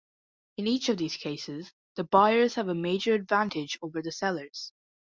In each of these cases, the buyers have a major advantage over the sellers.